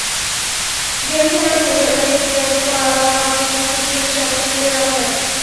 GRP থানার পুলিশ আরও জানিয়েছে প্রাইভেট কারটি নূর হোসেনের শ্যালক নূরে আলমের।